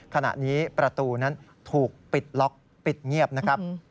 ขณะนี้ประตูนั้นถูกปิดล็อกปิดเงียบนะครับ